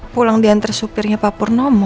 pulang diantar supirnya papurnomo